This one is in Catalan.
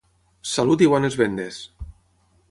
Salut i bones vendes!